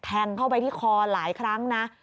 แทงเข้าไปที่คอหลายครั้งนะ